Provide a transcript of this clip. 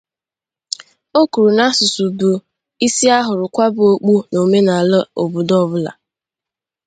O kwuru na asụsụ bụ 'isi a hụrụ kwaba okpu' n'omenala obodo ọbụla